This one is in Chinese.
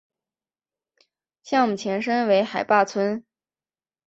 项目前身为海坝村。